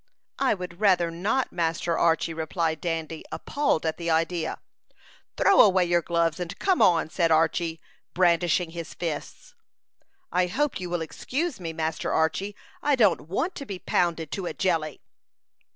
"I would rather not, Master Archy," replied Dandy, appalled at the idea. "Throw away your gloves, and come on!" said Archy, brandishing his fists. "I hope you will excuse me, Master Archy. I don't want to be pounded to a jelly."